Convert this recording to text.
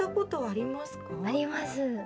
あります。